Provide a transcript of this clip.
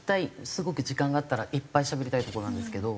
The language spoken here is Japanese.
すごく時間があったらいっぱいしゃべりたいところなんですけど。